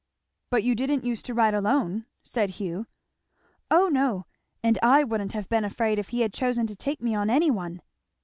"But you didn't use to ride alone?" said Hugh. "Oh no! and I wouldn't have been afraid if he had chosen to take me on any one."